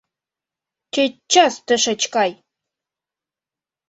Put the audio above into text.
Чӧчас тышеч кай!